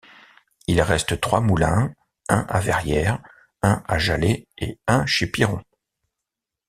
Il reste trois moulins, un à Verrières, un à Jallet et un chez Piron.